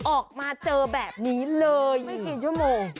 ออกมาเจอแบบนี้เลยไม่กี่ชั่วโมง